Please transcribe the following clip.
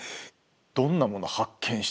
「どんなもの発見したんですか？」